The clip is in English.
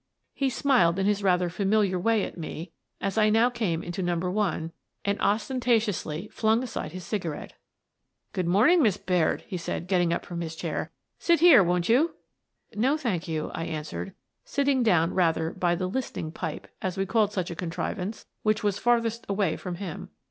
He smiled in his rather familiar way at me as I now came into Number One, and ostentatiously flung aside his cigarette. At "The Listening Pipes" n " Good morning, Miss Baird," he said, getting up from his chair. " Sit here, won't you? " "No, thank you," I answered, sitting down rather by the "Listening Pipe" — as we called such a contrivance — that was farthest away from him.